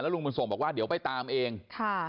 ลุงบุญส่งบอกว่าเดี๋ยวไปตามเองค่ะ